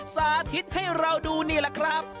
สาธิตให้เราดูนี่แหละครับ